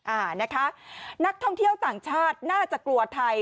อ่านะคะนักท่องเที่ยวต่างชาติน่าจะกลัวไทย